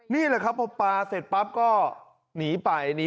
นี่แหละครับพอปลาเสร็จปั๊บก็หนีไป